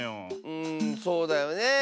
うんそうだよねえ。